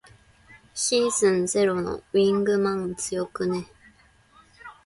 シーズンゼロのウィングマン強くね。